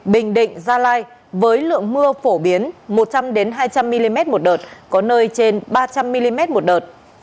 bình định gia lai với lượng mưa phổ biến một trăm linh hai trăm linh mm một đợt có nơi trên ba trăm linh mm một đợt